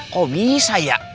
kok bisa ya